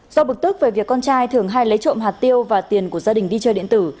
do bực tức về việc con trai thường hay lấy trộm hạt tiêu và tiền của gia đình đi chơi điện tử